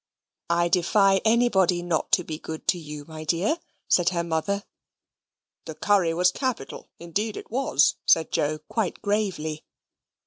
"I defy anybody not to be good to you, my dear," said her mother. "The curry was capital; indeed it was," said Joe, quite gravely.